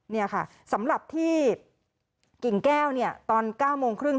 นี่ค่ะสำหรับที่กิ่งแก้วเนี่ยตอน๙โมงครึ่ง